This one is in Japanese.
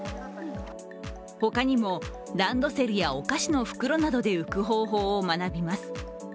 他にも、ランドセルやお菓子の袋などで浮く方法を学びます。